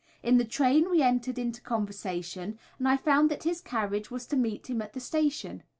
In the train we entered into conversation, and I found that his carriage was to meet him at the station.